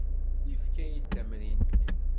Yefka-iyi-d tamrint.